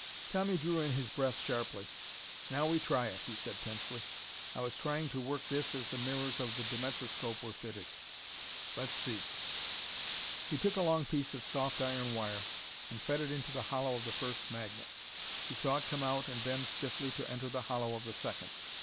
Tommy drew in his breath sharply. "Now we try it," he said tensely. "I was trying to work this as the mirrors of the dimensoscope were fitted. Let's see." He took a long piece of soft iron wire and fed it into the hollow of the first magnet. He saw it come out and bend stiffly to enter the hollow of the second.